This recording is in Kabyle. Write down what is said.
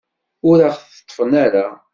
Ur aɣ-teṭṭfen ara.